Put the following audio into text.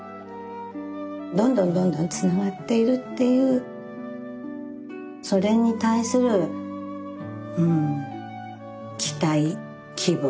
どんどんどんどんつながっているっていうそれに対するうん期待希望うん。